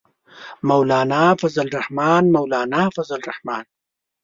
مولانا فضل الرحمن، مولانا فضل الرحمن.